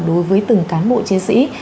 đối với từng cán bộ chiến sĩ